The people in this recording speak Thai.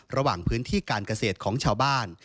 ระหว่างพื้นที่การเกษตรของชาวบ้าน